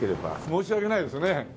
申し訳ないですね。